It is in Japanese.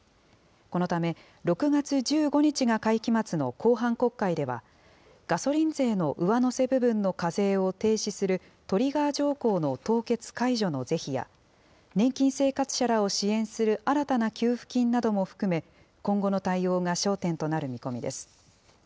このため、６月１５日が会期末の後半国会では、ガソリン税の上乗せ部分の課税を停止するトリガー条項の凍結解除の是非や、年金生活者らを支援する新たな給付金なども含め、今後の対応が焦点となる見込みです。